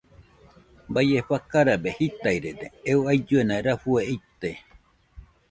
Bie fakarabe jitairede eo ailluena rafue ite.